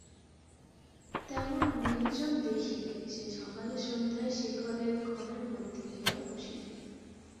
তেমন নির্জন দেখিলে সে সকালে সন্ধ্যায় শেখরের ঘরের মধ্যে গিয়াও বসিত।